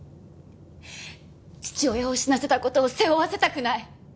父親を死なせた事を背負わせたくない。